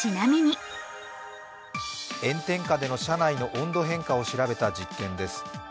炎天下での車内の温度変化を調べた実験です。